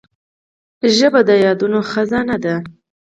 ژبه د یادونو خزانه ده